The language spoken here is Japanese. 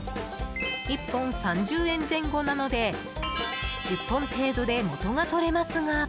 １本３０円前後なので１０本程度でもとが取れますが。